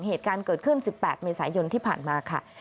เหตุการณ์เกิดขึ้น๑๘เมษายนที่ผ่านมาค่ะ